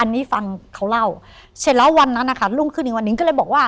อันนี้ฟังเขาเล่าเสร็จแล้ววันนั้นนะคะรุ่งขึ้นอีกวันนิ้งก็เลยบอกว่า